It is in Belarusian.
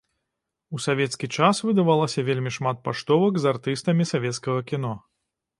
У савецкі час выдавалася вельмі шмат паштовак з артыстамі савецкага кіно.